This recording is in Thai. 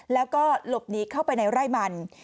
แล้วก็หลบหนีเข้าไปในไร่มัน